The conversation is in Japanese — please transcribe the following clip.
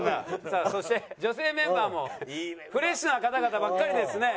さあそして女性メンバーもフレッシュな方々ばっかりですね。